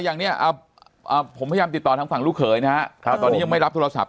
อย่างนี้ผมพยายามติดต่อทางฝั่งลูกเขยนะครับตอนนี้ยังไม่รับโทรศัพ